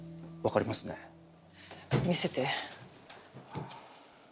見せて。